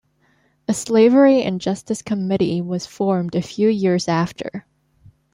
A Slavery and Justice Committee was formed a few years after.